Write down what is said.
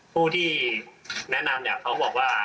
ผู้ที่แนะนำเนี่ยเขาบอกว่า